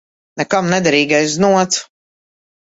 Nekam nederīgais znots.